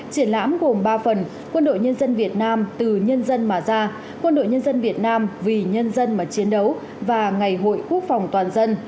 triển lãm gồm ba phần quân đội nhân dân việt nam từ nhân dân mà ra quân đội nhân dân việt nam vì nhân dân mà chiến đấu và ngày hội quốc phòng toàn dân